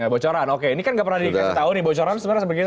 bocoran oke ini kan nggak pernah dikasih tahu nih bocoran sebenarnya sebegitu